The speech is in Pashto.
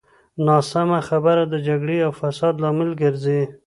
ناسمه خبره د جګړې او فساد لامل ګرځي.